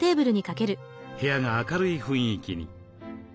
部屋が明るい雰囲気に。